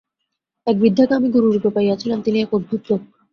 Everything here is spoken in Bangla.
এক বৃদ্ধকে আমি গুরুরূপে পাইয়াছিলাম, তিনি এক অদ্ভুত লোক।